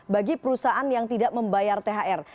bagi perusahaan yang tidak membayar thr